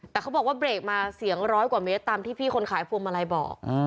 แต่เขาบอกว่าเบรกมาเสียงร้อยกว่าเมตรตามที่พี่คนขายพวงมาลัยบอก